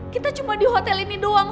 kita cuma di hotel ini doang